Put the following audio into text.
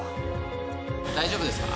大丈夫ですか？